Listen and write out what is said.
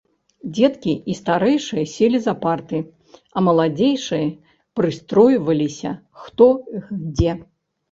Дзеткі і старэйшыя селі за парты, а маладзейшыя прыстройваліся хто дзе.